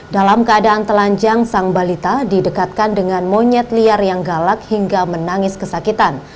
dalam keadaan telanjang sang balita didekatkan dengan monyet liar yang galak hingga menangis kesakitan